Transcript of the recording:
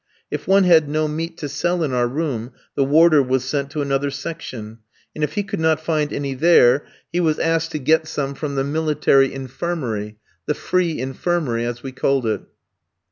If one had no meat to sell in our room the warder was sent to another section, and if he could not find any there he was asked to get some from the military "infirmary" the free infirmary, as we called it.